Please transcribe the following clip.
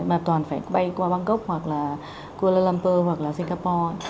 mà toàn phải bay qua bangkok hoặc là kuala lumpur hoặc là singapore